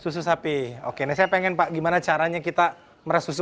susu sapi oke ini saya pengen pak gimana caranya kita meras susu